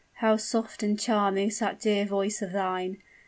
how soft and charming is that dear voice of thine!